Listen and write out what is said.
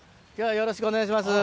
よろしくお願いします。